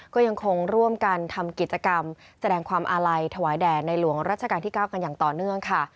ก็ยังคงร่วมกันทำกิจกรรมแสดงความอาลัยถวายแด่ในหลวงรัชกาลที่๙กันอย่างต่อเนื่องค่ะ